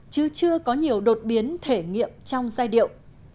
chứ chưa có nhiều đột biến thể nghiệm trong giai điệu